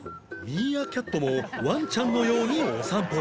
ミーアキャットもワンちゃんのようにお散歩